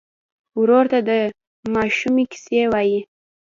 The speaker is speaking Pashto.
ورور ته د ماشومۍ کیسې وایې.